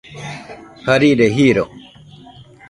Jarire jiro.